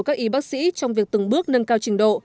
các y bác sĩ trong việc từng bước nâng cao trình độ